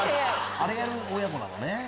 あれをやる親子なのね。